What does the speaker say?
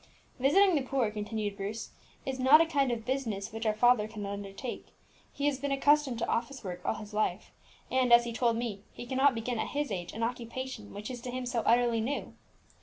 "Visiting the poor," continued Bruce, "is not a kind of business which our father can undertake; he has been accustomed to office work all his life, and, as he told me to day, he cannot begin at his age an occupation which is to him so utterly new."